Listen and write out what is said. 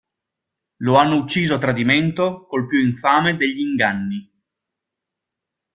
Lo hanno ucciso a tradimento col più infame degli inganni.